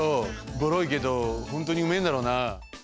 ボロいけどほんとうにうめえんだろな？